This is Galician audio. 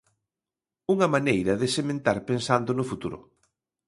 Unha maneira de sementar pensando no futuro.